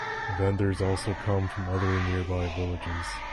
Vendors also come from other nearby villages.